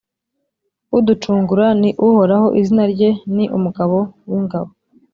uducungura ni uhoraho, izina rye ni umugaba w’ingabo,